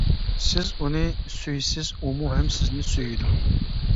سىز ئۇنى سۈيىسىز ئۇمۇ ھەم سىزنى سۈيىدۇ!